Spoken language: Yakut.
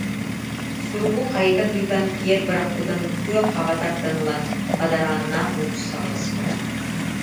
Суругу хайыта тыытан киэр бырахпытын тыал хаба тардан ылан бадарааннаах уулуссаҕа ыспыта